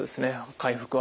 回復は。